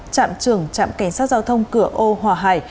trạm trưởng trạm cảnh sát giao thông cửa âu hòa hải